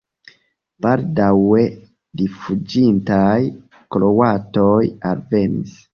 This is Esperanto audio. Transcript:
Baldaŭe rifuĝintaj kroatoj alvenis.